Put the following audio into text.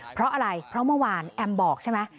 เพราะอะไรเพราะเมื่อวานแอมบอกใช่ไหม